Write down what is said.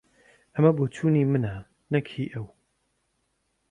ئەمە بۆچوونی منە، نەک هی ئەو.